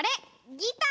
ギター！